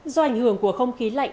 do ảnh hưởng của không khí lạnh